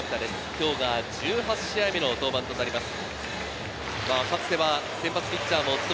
今日が１８試合目の登板となります。